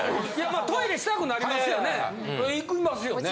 トイレしたくなりますよね。